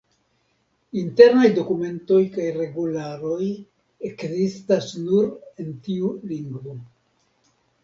Internaj dokumentoj kaj regularoj ekzistas nur en tiu lingvo.